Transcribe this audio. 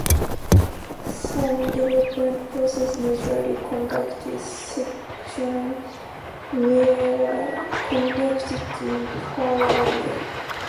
Some development processes usually conducted sequentially were conducted in parallel.